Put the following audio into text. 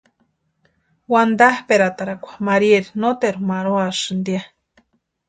Wantapʼetarakwa Maríaeri noteru marhuasïnti ya.